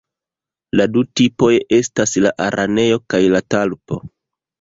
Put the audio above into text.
La du tipoj estas la „araneo“ kaj la „talpo“.